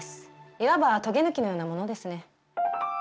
いわばとげ抜きのようなものですね。